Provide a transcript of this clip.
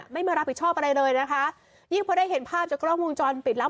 ไม่มารับผิดชอบอะไรเลยนะคะยิ่งพอได้เห็นภาพจากกล้องวงจรปิดแล้ว